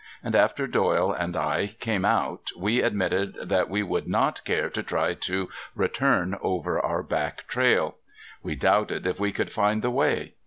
And after Doyle and I came out we admitted that we would not care to try to return over our back trail. We doubted if we could find the way.